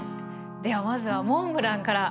ではまずはモンブランから。